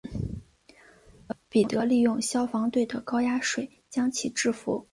彼得利用消防队的高压水将其制伏。